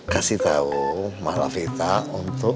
kasih tahu malafita untuk